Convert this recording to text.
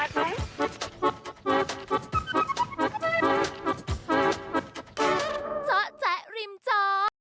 จ๊ะจ๊ะริมจ๊อม